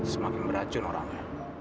semakin beracun orangnya